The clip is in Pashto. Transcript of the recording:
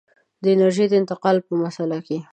د انرژۍ د انتقال په مسأله کې.